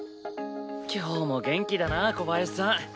今日も元気だな小林さん。